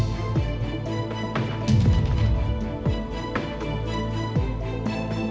คุณจะเลือกเชื่อเสียงหัวใจของอาจารย์ติ๊กต่าง